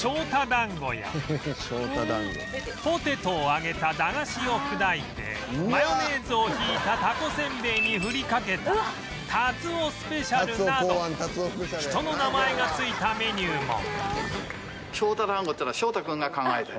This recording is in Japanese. だんごやポテトを揚げた駄菓子を砕いてマヨネーズをひいたタコせんべいに振りかけたたつおスペシャルなど人の名前が付いたメニューも